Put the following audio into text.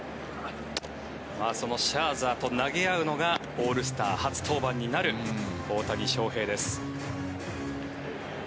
そのシャーザーと投げ合うのがオールスター初登板になる大谷翔平です。